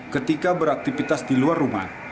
ketika beraktivitas di luar rumah